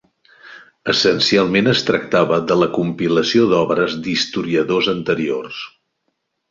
Essencialment es tractava de la compilació d'obres d'historiadors anteriors.